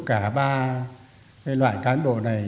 cả ba loại cán bộ này